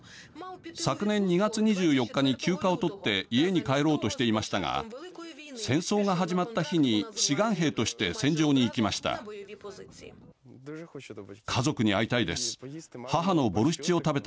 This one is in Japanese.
昨年２月２４日に休暇を取って家に帰ろうとしていましたが戦争が始まった日に志願兵として戦場に行きました。